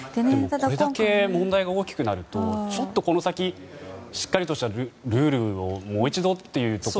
これだけ問題が大きくなるとちょっと、この先しっかりとしたルールをもう一度って。